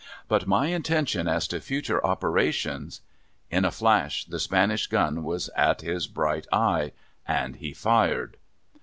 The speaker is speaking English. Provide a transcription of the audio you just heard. But my intention as to future operations ' In a flash the Spanish gun was at his bright eye, and he fired.